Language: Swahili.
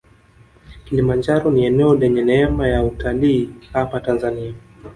kilimanjaro ni eneo lenye neema ya utalii hapa tanzania